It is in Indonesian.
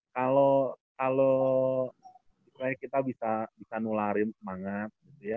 kalau misalnya kita bisa nularin semangat gitu ya